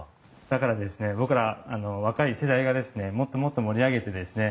だから僕ら若い世代がもっともっと盛り上げてですね